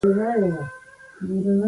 د جرګو نظام هم موجود دی